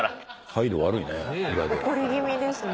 態度悪いね。